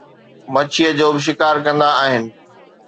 مڇيءَ جو به شڪار ڪندا آهن